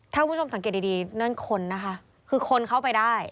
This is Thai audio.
ถ้าคุณผู้ชมสังเกตดีนั่นคนนะคะคือคนเข้าไปได้